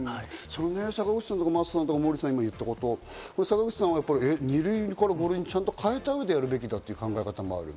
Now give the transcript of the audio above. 坂口さんや真麻さん、モーリーさんが言ったこと、坂口さんは２類から５類にちゃんと変えた上でやるべきだという考えもある。